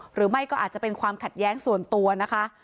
หรือไม่ก็อาจจะเป็นความขัดแย้งส่วนตัวนะคะ